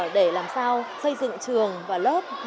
để làm sao xây dựng trường và lớp